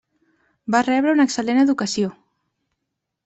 Va rebre una excel·lent educació.